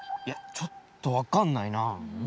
いやちょっとわかんないな。